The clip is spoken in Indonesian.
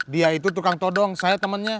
dia itu tukang todong saya temannya